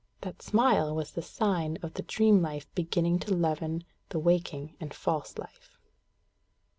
That smile was the sign of the dream life beginning to leaven the waking and false life.